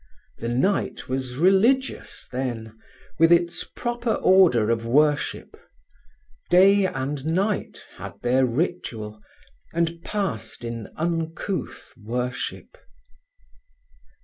The night was religious, then, with its proper order of worship. Day and night had their ritual, and passed in uncouth worship.